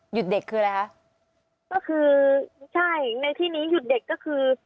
เด็กคืออะไรคะก็คือใช่ในที่นี้หยุดเด็กก็คือ